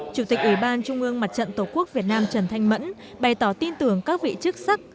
chủ tịch ủy ban trung ương mặt trận tổ quốc việt nam trần thanh mẫn bày tỏ tin tưởng các vị chức sắc